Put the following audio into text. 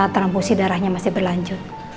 transfusi darahnya masih berlanjut